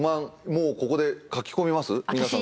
もうここで書き込みます？